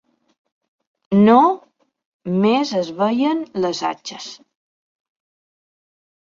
No més es veien les atxes